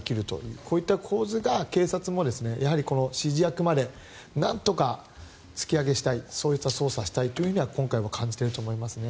こういった構図が警察もやはり指示役までなんとか突き上げしたいそういう捜査をしたいという思いを感じますね。